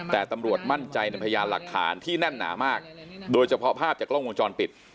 แต่ตำรวจมั่นใจในพยานหลักฐานที่แน่นหนามากโดยเฉพาะภาพจากกล้องวงจรปิด